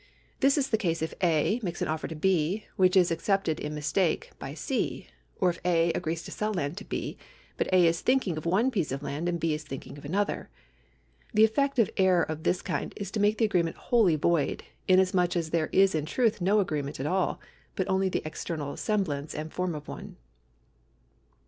This is the case if A. makes an offer to B. which is accepted in mistake by C. ; or if A. agrees to sell land to B., but A. is thinking of one piece of land, and B. is thinking of another. The effect of error of this kind is to make the agreement wholly void, inasmuch as there is in truth no agreement at all, but only the external semblance and form of one.